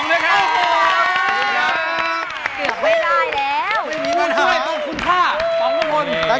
เอาละแหมทำสำเร็จนะครับ